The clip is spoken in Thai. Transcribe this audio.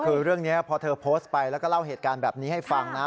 คือเรื่องนี้พอเธอโพสต์ไปแล้วก็เล่าเหตุการณ์แบบนี้ให้ฟังนะ